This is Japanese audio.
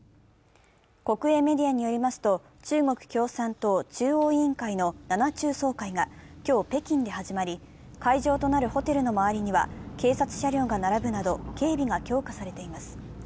国営メディアによりますと中国共産党中央委員会の七中総会が今日北京で始まり、会場となるホテルの周りには警察車両が並ぶなど警備が強化されています。